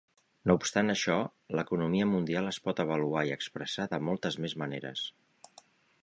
No obstant això, l'economia mundial es pot avaluar i expressar de moltes més maneres.